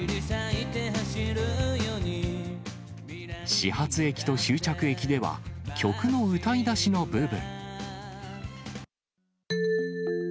始発駅と終着駅では曲の歌い出しの部分。